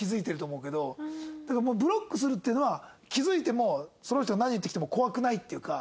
ブロックするっていうのは気づいてもその人が何を言ってきても怖くないっていうか。